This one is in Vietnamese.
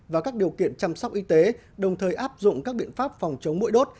và các điều kiện chăm sóc y tế đồng thời áp dụng các biện pháp phòng chống mũi đốt